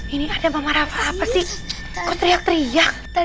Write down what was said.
ini ada mama rafa apa sih teriak teriak